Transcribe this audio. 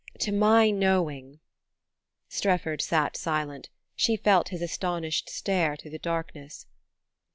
to my knowing...." Strefford sat silent: she felt his astonished stare through the darkness.